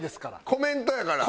コメントやから。